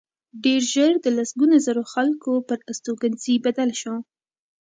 ډېر ژر د لسګونو زرو خلکو پر استوګنځي بدل شو